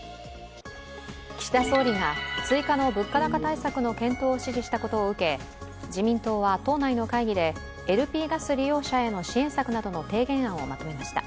岸田総理が追加の物価高対策の検討を指示したことを受け、自民党は党内の会議でＬＰガス利用者への支援策などの提言案をまとめました。